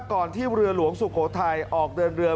ที่เรือหลวงสุโขทัยออกเดินเรือ